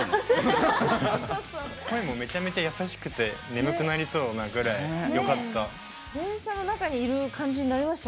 声もめちゃくちゃ優しくて眠くなりそうなぐらいよかったです。